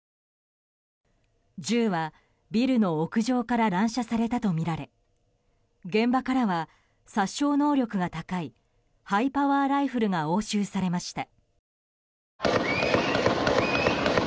銃は、ビルの屋上から乱射されたとみられ現場からは殺傷能力が高いハイパワーライフルが押収されました。